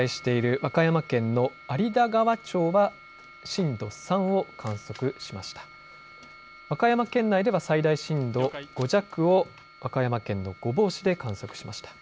和歌山県内では最大震度５弱を和歌山県の御坊市で観測しました。